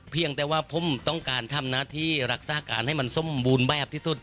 เพียงแต่ว่าผมต้องการทำหน้าที่รักษาการให้มันสมบูรณ์แบบที่สุด